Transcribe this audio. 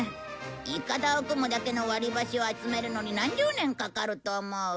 いかだを組むだけの割り箸を集めるのに何十年かかると思う？